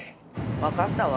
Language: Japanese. わかったわ。